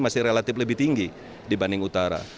masih relatif lebih tinggi dibanding utara